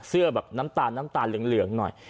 เสื้อแบบน้ำตาลน้ำตาลเหลืองหน่อย